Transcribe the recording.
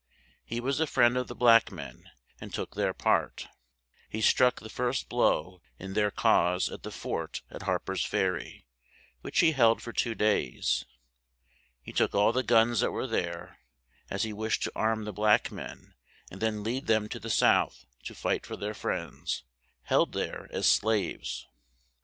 He was a friend of the black men, and took their part. He struck the first blow in their cause at the fort at Har per's Fer ry, which he held for two days. He took all the guns that were there, as he wished to arm the black men and then lead them to the South to fight for their friends, held there as slaves.